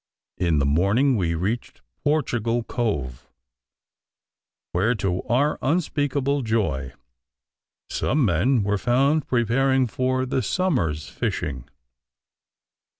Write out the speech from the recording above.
In the morning we reached Portugal Cove, where to our unspeakable joy, some men were found preparing for the summer's fishing.